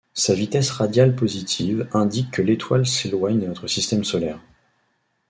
Sa vitesse radiale positive indique que l'étoile s'éloigne de notre système solaire.